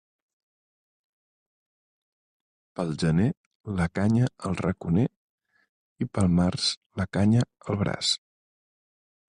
Pel gener la canya al raconer i pel març la canya al braç.